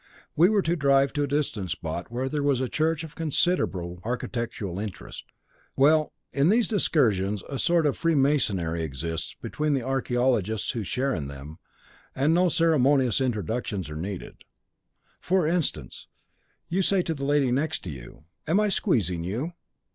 We were to drive to a distant spot where was a church of considerable architectural interest. "Well, in these excursions a sort of freemasonry exists between the archæologists who share in them, and no ceremonious introductions are needed. For instance, you say to the lady next to you, 'Am I squeezing you?'